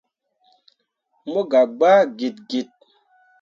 Mo gah gbaa git git.